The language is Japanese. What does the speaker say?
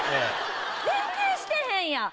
全然してへんやん！